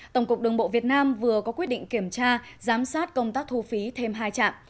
tổng cục đường bộ việt nam vừa có quyết định kiểm tra giám sát công tác thu phí thêm hai trạm